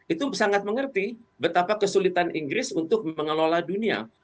itu sangat mengerti betapa kesulitan inggris untuk mengelola dunia